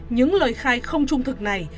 những lời khai không trung thực này